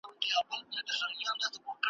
او پر مځکه دي وجود زیر و زبر سي `